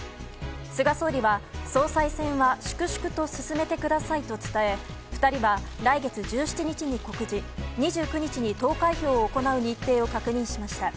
菅総理は、総裁選は粛々と進めてくださいと伝え２人は来月１７日に告示２９日に投開票を行う日程を確認しました。